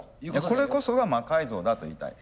これこそが魔改造だと言いたい。